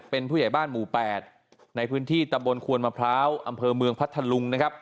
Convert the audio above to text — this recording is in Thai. เป็นผู้ใหญ่บ้านหมู่๘ในพื้นที่ตำบลควนมะพร้าวอำเภอเมืองพัทธลุงนะครับ